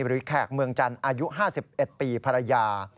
แขกเมืองจันทร์อายุ๕๑ปีภรรยา